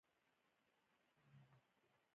زما د جمپر ټوټه شخه وه او له شورېدو سره شریده.